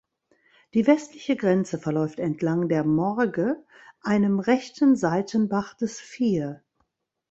Die westliche Grenze verläuft entlang der "Morge", einem rechten Seitenbach des Fier.